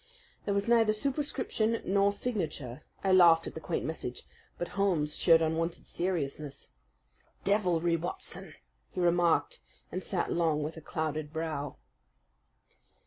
There was neither superscription nor signature. I laughed at the quaint message; but Holmes showed unwonted seriousness. "Deviltry, Watson!" he remarked, and sat long with a clouded brow.